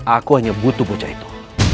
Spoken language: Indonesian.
aku hanya butuh bocah itu